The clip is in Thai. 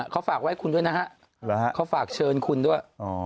เขาฝากไว้คุณด้วยนะฮะเขาฝากเชิญคุณด้วย